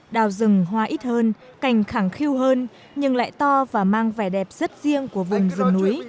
đào rừng hoa ít hơn cảnh khẳng khiu hơn nhưng lại to và mang vẻ đẹp rất riêng của vùng rừng núi